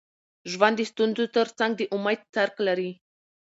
ژوند د ستونزو تر څنګ د امید څرک لري.